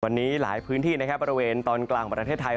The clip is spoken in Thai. วันนี้หลายพื้นที่นะครับบริเวณตอนกลางประเทศไทย